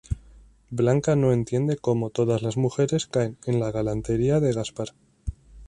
Blanca no entiende cómo todas las mujeres caen en la galantería de Gaspar.